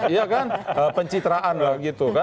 iya kan pencitraan lah gitu kan